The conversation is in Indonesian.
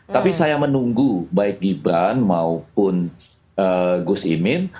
tapi saya menunggu baik gibran maupun gus imin